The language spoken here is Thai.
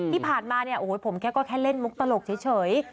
ที่ผ่านมาเนี่ยโอ้โหผมแค่ก็แค่เล่นมุกตลกเฉย